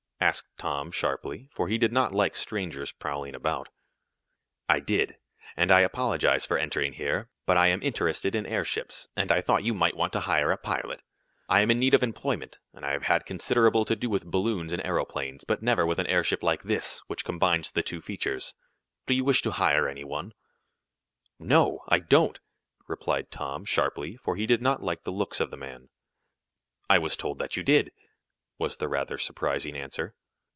asked Tom, sharply, for he did not like strangers prowling around. "I did, and I apologize for entering here, but I am interested in airships, and I thought you might want to hire a pilot. I am in need of employment, and I have had considerable to do with balloons and aeroplanes, but never with an airship like this, which combines the two features. Do you wish to hire any one." "No, I don't!" replied Tom, sharply, for he did not like the looks of the man. "I was told that you did," was the rather surprising answer.